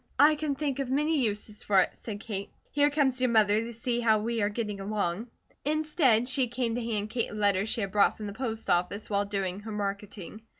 "I can think of many uses for it," said Kate. "Here comes your mother to see how we are getting along." Instead, she came to hand Kate a letter she had brought from the post office while doing her marketing.